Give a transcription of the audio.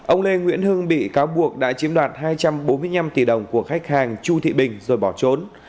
ông lê nguyễn hưng bị cáo buộc đã chiếm đoạt hai trăm bốn mươi năm tỷ đồng của khách hàng chu thị bình rồi bỏ trốn